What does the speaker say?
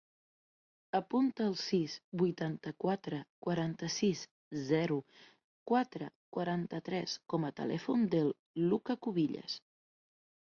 Apunta el sis, vuitanta-quatre, quaranta-sis, zero, quatre, quaranta-tres com a telèfon del Luka Cubillas.